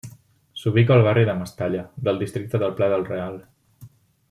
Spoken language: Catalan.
S'ubica al barri de Mestalla, del districte del Pla del Real.